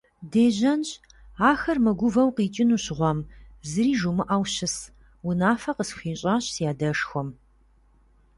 Дежьэнщ, ахэр мыгувэу къикӀынущ гъуэм, зыри жумыӀэу щыс, - унафэ къысхуищӀащ си адэшхуэм.